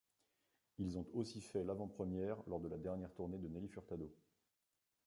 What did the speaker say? Ils ont aussi fait l'avant-première lors de la dernière tournée de Nelly Furtado.